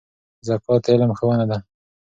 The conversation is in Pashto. زکات د علم ښوونه ده.